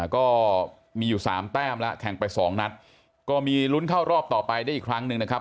ก็มีอยู่สามแต้มแล้วแข่งไปสองนัดก็มีลุ้นเข้ารอบต่อไปได้อีกครั้งหนึ่งนะครับ